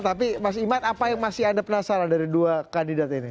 tapi mas iman apa yang masih anda penasaran dari dua kandidat ini